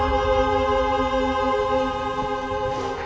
tapi pada saat ini papa lagi berjuang